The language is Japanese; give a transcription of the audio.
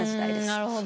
んなるほど。